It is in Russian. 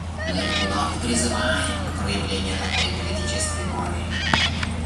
Мы вновь призываем к проявлению такой политической воли.